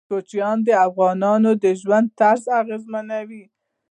کوچیان د افغانانو د ژوند طرز اغېزمنوي.